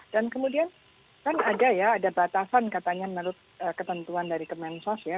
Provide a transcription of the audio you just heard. dan kemudian kan ada ya ada batasan katanya menurut ketentuan dari kemensos ya